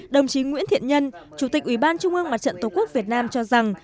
đồng chí nguyễn thiện nhân chủ tịch ủy ban trung ương mặt trận tổ quốc việt nam cho rằng